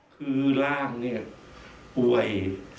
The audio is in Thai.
คือร่างเนี่ยป่วย